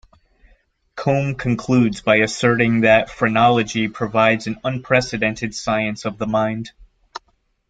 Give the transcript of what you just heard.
Combe concludes by asserting that Phrenology provides an unprecedented science of the Mind.